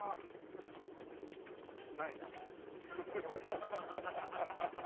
ないな。